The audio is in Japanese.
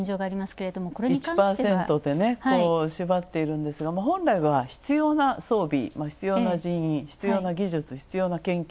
１％ってね、縛っているんですが、本来は必要な装備必要な人員、必要な技術、必要な研究。